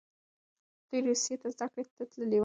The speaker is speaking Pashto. دوی روسیې ته زده کړې ته تللي وو.